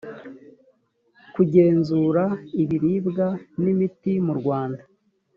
kugenzura ibiribwa n imiti mu rwanda